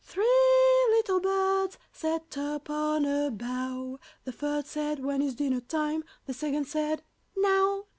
Three little birds Sat upon a bough. The first said, "When is dinner time?" The second said, "Now!"